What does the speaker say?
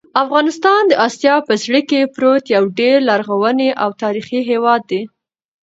افغانستان د اسیا په زړه کې پروت یو ډېر لرغونی او تاریخي هېواد دی.